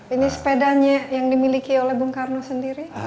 ini sepedanya yang dimiliki oleh bung karno sendiri